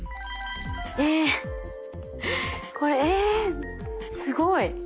これえすごい。